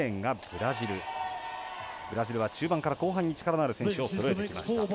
ブラジルは中盤から後半に力のある選手をそろえてきました。